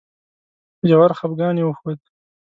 ژور خپګان یې وښود.